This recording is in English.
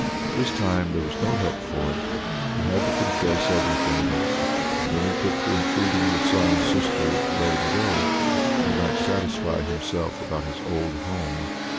This time there was no help for it; he had to confess everything, and then he took to entreating the Sun's Sister to let him go, that he might satisfy himself about his old home.